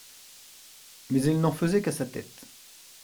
Mais elle n'en faisait qu'à sa tête.